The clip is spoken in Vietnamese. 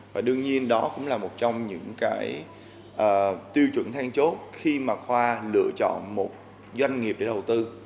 và đương nhiên đó cũng là một trong những cái tiêu chuẩn than chốt khi mà khoa lựa chọn một doanh nghiệp để đầu tư